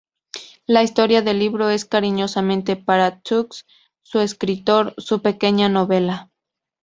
La historia del libreto es, cariñosamente, para Txus, su escritor, su "pequeña novela".